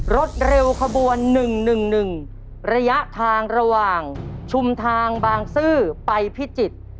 รถเร็วขบวน๑๑๑ระยะทางระหว่างชุมทางบางซื่อไปพิจิตร